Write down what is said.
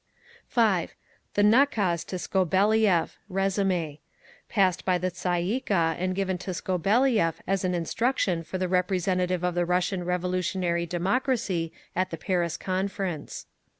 THE "NAKAZ" TO SKOBELIEV Resumé (Passed by the Tsay ee kah and given to Skobeliev as an instruction for the representative of the Russian Revolutionary democracy at the Paris Conference.)